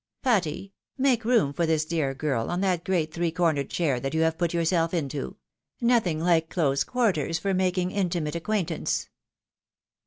Patty ! make room for this dear girl on that great three cornered chair that you have put yourself into — nothing like close quar ters for making intimate acquaintance."